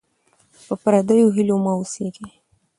په پردیو هیلو مه اوسېږئ.